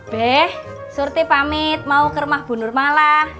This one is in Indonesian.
be surti pamit mau ke rumah bu nur malang